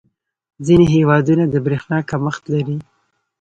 • ځینې هېوادونه د برېښنا کمښت لري.